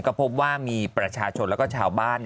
ก็พบว่ามีประชาชนและชาวบ้าน